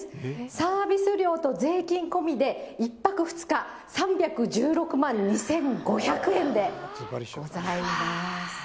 サービス料と税金込みで、１泊２日３１６万２５００円でございます。